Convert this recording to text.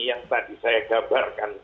yang tadi saya gabarkan